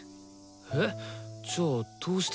えっじゃあどうして？